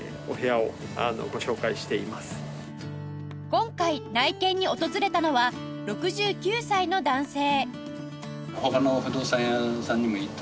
今回内見に訪れたのは６９歳の男性